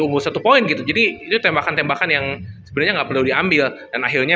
tunggu satu poin gitu jadi itu tembakan tembakan yang sebenarnya nggak perlu diambil dan akhirnya